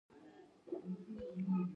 سیاسي جوجیتسو له منځه ځي.